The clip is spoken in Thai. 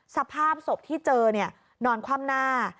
สภาพศพที่เจอนอนคว่ำหน้า